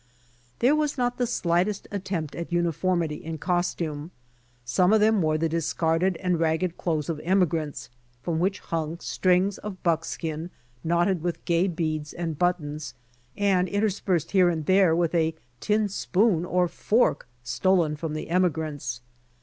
There was not the slightest attempt at uniformity in costume. Some of them wore the discarded and ragged clothes of emigrants, from which hung strings of buckskin knotted with gay beads and buttons, and interspersed here and there with a tin spoon or fork stolen from the emigrants.